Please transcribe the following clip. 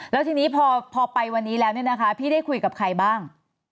แล้วทีนี้พอไปวันนี้แล้วเนี่ยนะคะพี่ได้คุยกับใครบ้าง